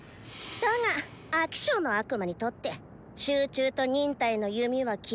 だが飽き性の悪魔にとって集中と忍耐の弓は鬼門。